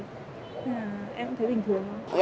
thế là em cũng thấy bình thường